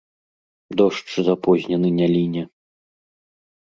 Дождж запознены не ліне.